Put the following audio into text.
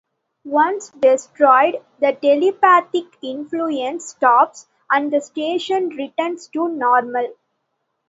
Once destroyed, the telepathic influence stops and the station returns to normal.